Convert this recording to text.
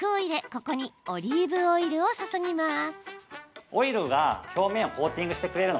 ここにオリーブオイルを注ぎます。